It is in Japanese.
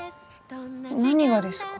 何がですか？